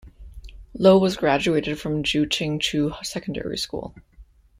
Lo was graduated from Ju Ching Chu Secondary School.